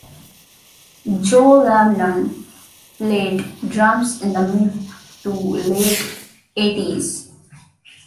Joe Lamond played drums in the mid to late eighties.